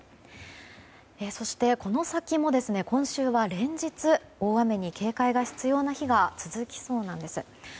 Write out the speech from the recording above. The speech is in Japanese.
そして、この先も今週は連日大雨に警戒が必要な日が続きそうなんです。